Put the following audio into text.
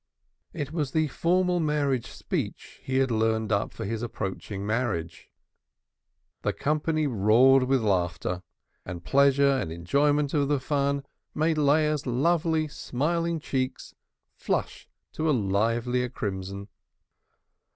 It was the formal marriage speech he had learnt up for his approaching marriage. The company roared with laughter, and pleasure and enjoyment of the fun made Leah's lovely, smiling cheeks flush to a livelier crimson.